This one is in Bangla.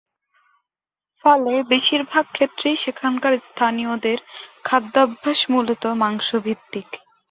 ফলে বেশিরভাগ ক্ষেত্রেই সেখানকার স্থানীয়দের খাদ্যাভ্যাস মূলত মাংসভিত্তিক।